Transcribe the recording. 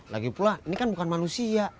lagipula ini kan bukan manusia